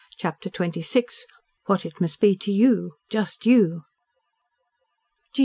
CHAPTER XXVI "WHAT IT MUST BE TO YOU JUST YOU!" G.